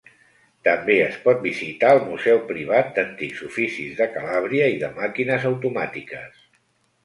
També es pot visitar el museu privat d'antics oficis de Calàbria i de màquines automàtiques.